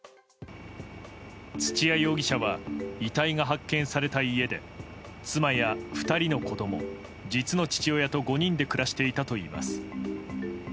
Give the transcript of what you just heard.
土屋容疑者は遺体が発見された家で妻や２人の子供、実の父親と５人で暮らしていたといいます。